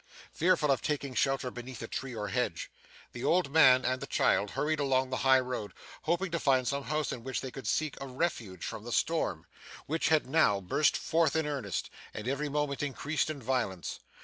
Fearful of taking shelter beneath a tree or hedge, the old man and the child hurried along the high road, hoping to find some house in which they could seek a refuge from the storm, which had now burst forth in earnest, and every moment increased in violence.